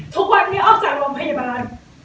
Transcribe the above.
ทุกวันนี้ออกจากโรงพยาบาล